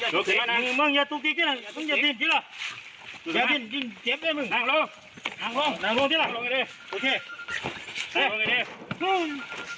อดทน